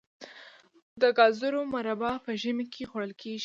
د ګازرو مربا په ژمي کې خوړل کیږي.